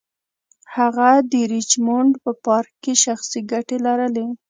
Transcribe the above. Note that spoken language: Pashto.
هغه د ریچمونډ په پارک کې شخصي ګټې لرلې.